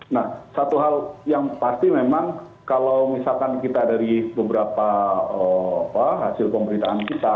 nah satu hal yang pasti memang kalau misalkan kita dari beberapa hasil pemberitaan kita